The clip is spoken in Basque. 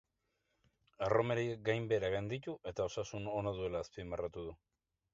Erromeriak gainbehera gainditu eta osasun ona duela azpimarratu du.